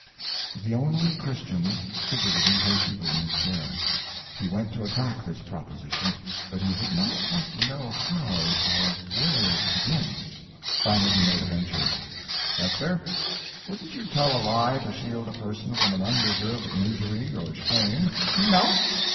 The Only Christian fidgeted impatiently in his chair. He went to attack this proposition, but he did not quite know how or where to begin. Finally he made a venture: "Hester, wouldn't you tell a lie to shield a person from an undeserved injury or shame?" "No."